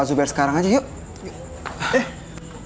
suara dia kayak nyanyi banget